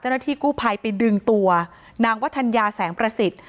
เจ้าหน้าที่กู้ภัยไปดึงตัวนางวัฒนยาแสงประสิทธิ์